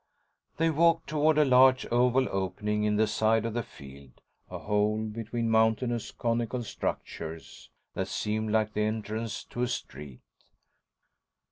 They walked toward a large, oval opening in a side of the field, a hole between mountainous, conical structures that seemed like the entrance to a street.